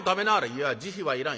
「いや慈悲はいらん」。